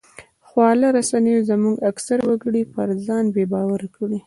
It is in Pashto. خواله رسنیو زموږ اکثره وګړي پر ځان بې باوره کړي